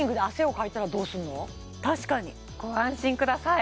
確かにご安心ください